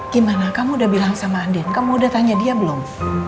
gimana kamu udah bilang sama andin kamu udah tanya dia belum